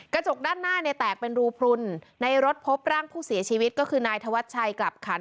กระจกด้านหน้าเนี่ยแตกเป็นรูพลุนในรถพบร่างผู้เสียชีวิตก็คือนายธวัชชัยกลับขัน